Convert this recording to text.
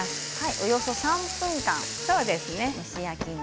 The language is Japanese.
およそ３分間です。